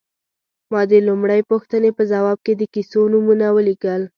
ما د لومړۍ پوښتنې په ځواب کې د کیسو نومونه ولیکل.